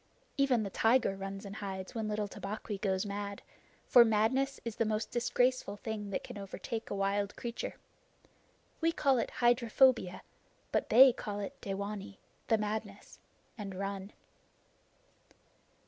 Even the tiger runs and hides when little Tabaqui goes mad, for madness is the most disgraceful thing that can overtake a wild creature. We call it hydrophobia, but they call it dewanee the madness and run.